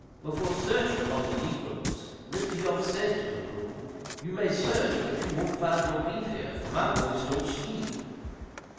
Before searching among the negroes, Mr. Young said to Le Brun, "You may search, but you won't find your beef here, for my boys don't steal."